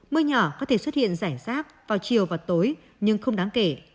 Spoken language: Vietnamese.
mưa nhỏ có thể xuất hiện rải rác vào chiều và tối nhưng không đáng kể